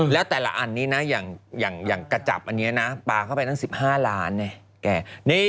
แล้วแต่ละอันนี้นะอย่างกระจับอันนี้นะปลาเข้าไปตั้ง๑๕ล้านไง